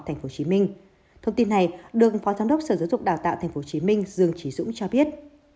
thông tin này được phó giám đốc sở giáo dục đào tạo tp hcm dương trí dũng cho biết